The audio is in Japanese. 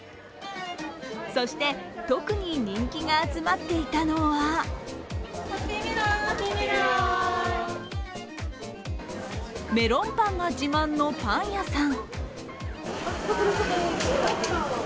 そして特に人気が集まっていたのはメロンパンが自慢のパン屋さん。